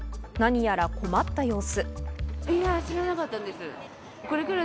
何やら困った様子。